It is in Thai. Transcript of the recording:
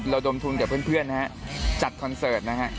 ดมทุนกับเพื่อนนะฮะจัดคอนเสิร์ตนะฮะ